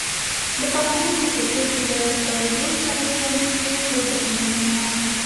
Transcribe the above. د پښتنو په کلتور کې د تربور سره سیالي وي خو دښمني نه.